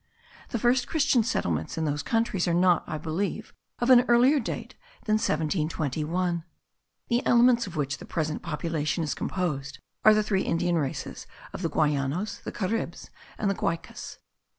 The first Christian settlements in those countries are not, I believe, of an earlier date than 1721. The elements of which the present population is composed are the three Indian races of the Guayanos, the Caribs and the Guaycas.